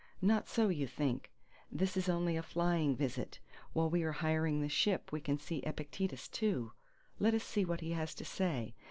Not so, you think; this is only a flying visit; while we are hiring the ship, we can see Epictetus too! Let us see what he has to say.